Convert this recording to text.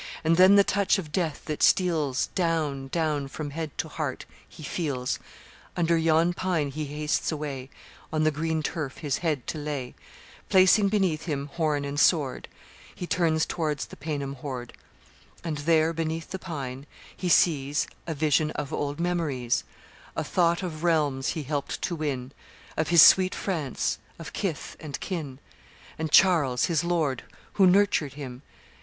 .. And then the touch of death that steals Down, down from head to heart he feels Under yon pine he hastes away On the green turf his head to lay Placing beneath him horn and sword, He turns towards the Paynim horde, And, there, beneath the pine, he sees A vision of old memories A thought of realms he helped to win, Of his sweet France, of kith and kin, And Charles, his lord, who nurtured him.